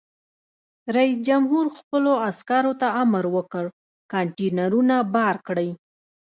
رئیس جمهور خپلو عسکرو ته امر وکړ؛ کانټینرونه بار کړئ!